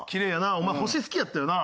お前星好きやったよな。